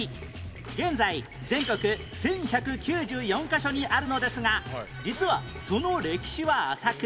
現在全国１１９４カ所にあるのですが実はその歴史は浅く